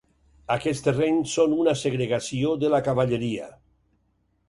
Aquests terrenys són una segregació de la Cavalleria.